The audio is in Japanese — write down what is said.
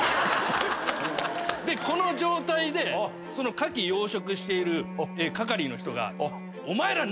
でこの状態でカキ養殖している係の人が。